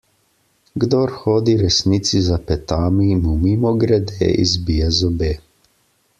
Kdor hodi resnici za petami, mu mimogrede izbije zobe.